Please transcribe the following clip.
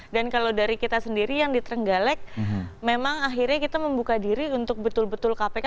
dan kalau dari kita sendiri yang di trenggalek memang akhirnya kita membuka diri untuk betul betul kpk